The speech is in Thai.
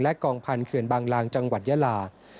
และกองพันธุ์เกลื่อบางรางจังหวัดยำลา